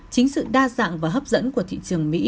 chính sự đa dạng và hấp dẫn của thị trường mỹ